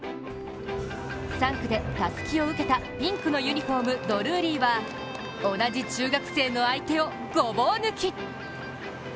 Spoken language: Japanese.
３区でたすきを受けたピンクのユニフォームドルーリーは同じ中学生の相手をごぼう抜き。